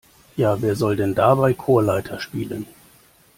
Ja, wer soll denn dabei Chorleiter spielen?